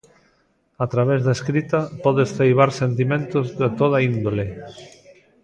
A través da escrita podes ceibar sentimentos de toda índole.